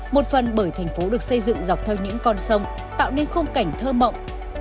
một phần bởi thành phố được xây dựng dọc theo những con sông tạo nên khung cảnh thơ mộng